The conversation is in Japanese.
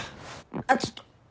あっちょっと。